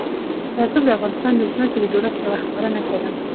رسوب د افغانستان د ځمکې د جوړښت یوه ښکاره نښه ده.